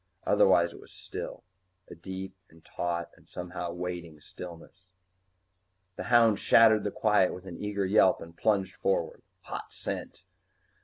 Otherwise it was still, a deep and taut and somehow waiting stillness. The hound shattered the quiet with an eager yelp and plunged forward. Hot scent!